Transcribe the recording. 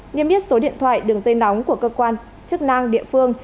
nghiêm biết số điện thoại đường dây nóng của cơ quan chức năng địa phương